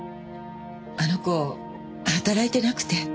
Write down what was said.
あの子働いてなくて。